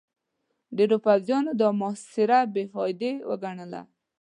ډېرو پوځيانو دا محاصره بې فايدې ګڼله.